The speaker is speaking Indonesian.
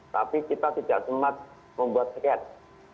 tapi kita tidak sempat membuat sket